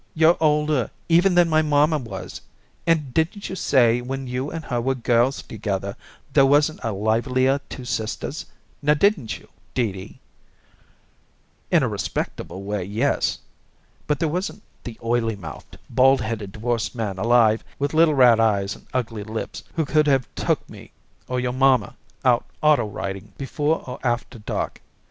You're older even than my mamma was, and didn't you say when you and her was girls together there wasn't a livelier two sisters? Now didn't you, Dee Dee?" "In a respectable way, yes. But there wasn't the oily mouthed, bald headed divorced man alive, with little rat eyes and ugly lips, who could have took me or your mamma out auto riding before or after dark.